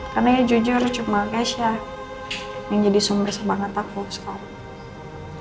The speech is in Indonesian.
karena ya jujur cuma kece yang jadi sumber semangat aku sekarang